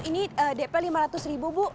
ini dp lima ratus ribu bu